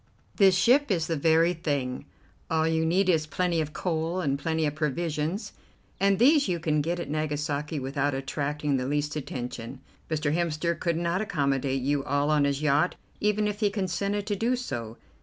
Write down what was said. This ship is the very thing. All you need is plenty of coal and plenty of provisions, and these you can get at Nagasaki without attracting the least attention. Mr. Hemster could not accommodate you all on his yacht even if he consented to do so.